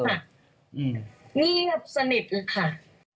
เงียบสนิทค่ะ